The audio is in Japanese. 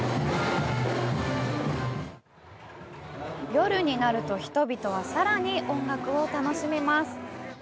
夜になると人々はさらに音楽を楽しみます。